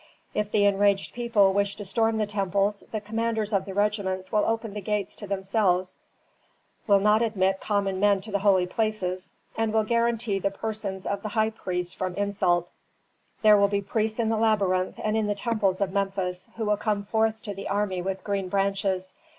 If the enraged people wish to storm the temples the commanders of the regiments will open the gates to themselves, will not admit common men to the holy places, and will guarantee the persons of the high priests from insult. There will be priests in the labyrinth and in the temples of Memphis, who will come forth to the army with green branches.